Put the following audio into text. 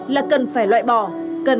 là cần phải loại bỏ cần phải tẩy tránh